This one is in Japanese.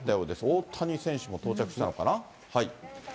大谷選手も到着したのかな？